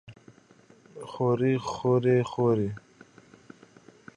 خوري خورۍ خورې؟